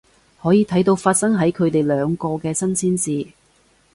可以睇到發生喺佢哋兩個嘅新鮮事